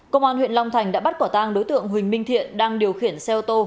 công an huyện long thành đã bắt quả tang đối tượng huỳnh minh thiện đang điều khiển xe ô tô